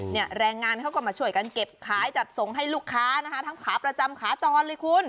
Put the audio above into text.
แรงงานเขาก็มาช่วยกันเก็บขายจัดส่งให้ลูกค้านะคะทั้งขาประจำขาจรเลยคุณ